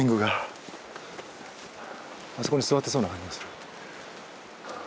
あそこに座ってそうな感じがする。